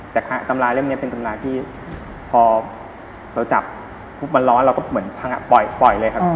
แต่ตำราเล่มนี้เป็นตำราที่พอเราจับปุ๊บมันร้อนเราก็เหมือนพังปล่อยเลยครับ